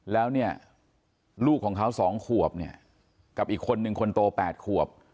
แล้วเนี่ยลูกของเขา๒ขวบเนี่ยกับอีกคนนึงคนโต๘ขวบ